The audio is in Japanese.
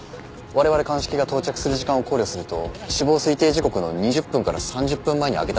我々鑑識が到着する時間を考慮すると死亡推定時刻の２０分から３０分前に揚げたものと思われます。